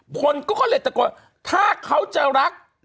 คนก็เลยตะโกนถ้าเขาจะรัก